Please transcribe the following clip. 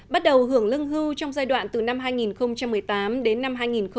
bắt đầu hưởng lương hưu trong giai đoạn từ năm hai nghìn một mươi tám đến năm hai nghìn một mươi chín